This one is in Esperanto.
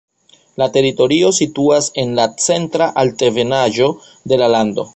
La teritorio situas en la centra altebenaĵo de la lando.